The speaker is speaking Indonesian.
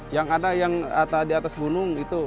yang ada yang di atas gunung itu